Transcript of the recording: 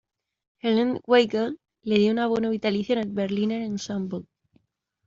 Helene Weigel le dio un abono vitalicio en el Berliner Ensemble.